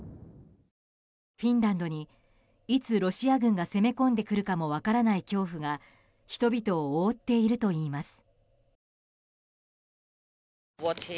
フィンランドにいつロシア軍が攻め込んでくるかも分からない恐怖が人々を覆っているといいます。